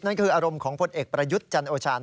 นั้นคืออารมณ์ของผลเอกประยุทธ์จรรย์โอาชารณ์